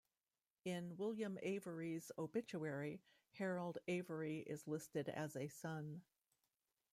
In William Avery's obituary, Harold Avery is listed as a son.